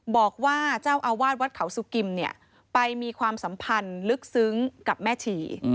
บอกว่าเจ้าอาวาสวัดเขาสุกิมเนี่ยไปมีความสัมพันธ์ลึกซึ้งกับแม่ชี